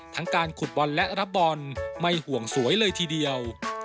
การขุดบอลและรับบอลไม่ห่วงสวยเลยทีเดียว